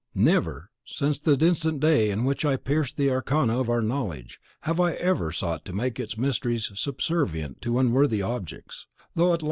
Never since the distant day in which I pierced the Arcana of our knowledge, have I ever sought to make its mysteries subservient to unworthy objects; though, alas!